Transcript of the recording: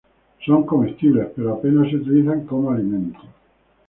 Son comestibles, pero apenas se utilizan como alimento.